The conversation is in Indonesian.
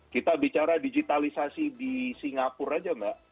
kita bicara digitalisasi di singapura saja mbak